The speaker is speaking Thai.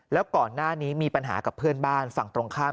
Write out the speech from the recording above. แล้วก่อนหน้านี้มีปัญหากับเพื่อนบ้านฝั่งตรงข้าม